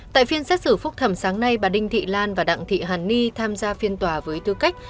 tại phiên xét xử phúc thẩm sáng nay bà đinh thị lan và đặng thị hàn ni tham gia phiên tòa với tư cách